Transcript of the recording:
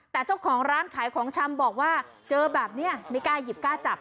แต่เจ้าของร้านขายของชำบอกว่าเจอแบบนี้ไม่กล้าหยิบกล้าจับ